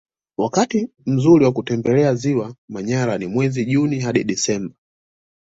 Wakati mzuri wa kutembelea ziwa manyara ni mwezi juni hadi disemba